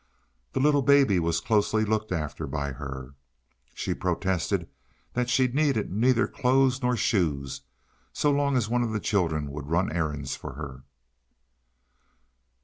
The little baby was closely looked after by her. She protested that she needed neither clothes nor shoes so long as one of the children would run errands for her.